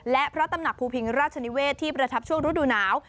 และพระตำหนักภูพิงราชนิเวศที่ประทับช่วงฤดูหนาว